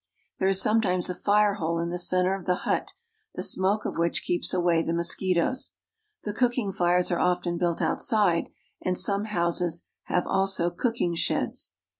^ r^fc^ ^ There is sometimes a fire ^^^^^^^^^%^ hole in the center of the <^^ hut, the smoke of which keeps away the mosquitoes The cooking fires are often built outside, and some houses have also cookmg sheds.